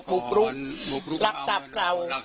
หลักทรัพย์เรา